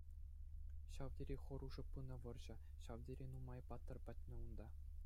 Ҫав тери хӑрушӑ пынӑ вӑрҫӑ, ҫав тери нумай паттӑр пӗтнӗ унта.